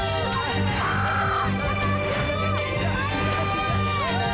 terus kesat pakaian ini